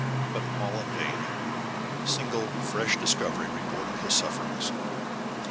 But all in vain; not a single fresh discovery rewarded his sufferings.